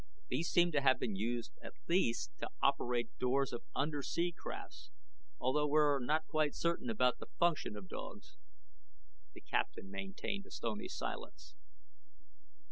These seem to have been used, at least, to operate doors of undersea crafts. Although we're not quite certain about the function of dogs." The captain maintained a stony silence.